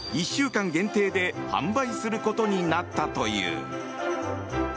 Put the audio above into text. １週間限定で販売することになったという。